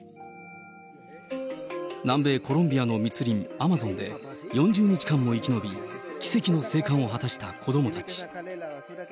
南米コロンビアの密林、アマゾンで、４０日間も生き延び、奇跡の生還を果たした子どもたち。